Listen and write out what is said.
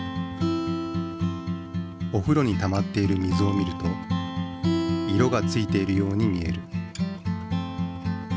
おふろにたまっている水を見ると色がついているように見える。